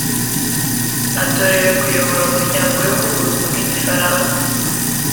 atorewe kuyobora Umuryango w’Ibihugu bivuga Igifaransa